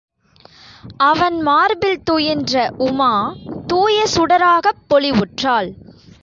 அவன் மார்பில் துயின்ற உமா தூய சுடராகப் பொலிவுற்றாள்!!